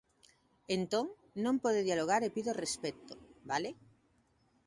Entón, non pode dialogar e pido respecto, ¿vale?